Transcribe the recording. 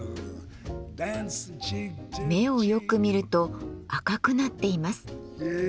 目をよく見ると赤くなっています。